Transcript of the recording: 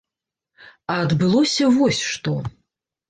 А адбылося вось што.